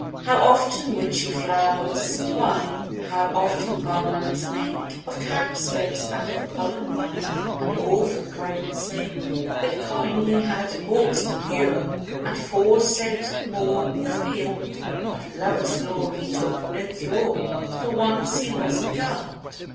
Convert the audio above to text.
How often would she flowers twine, How often garlands make, Of cowslips and of columbine, And all for Corin's sake! But Corin, he had hawks to lure, And forcèd more the field; Of lovers' law he took no cure, For once he was beguiled.